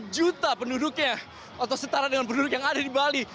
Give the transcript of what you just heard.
empat juta penduduknya atau setara dengan penduduk yang ada di bali